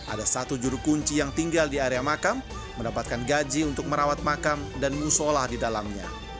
ada satu juru kunci yang tinggal di area makam mendapatkan gaji untuk merawat makam dan musola di dalamnya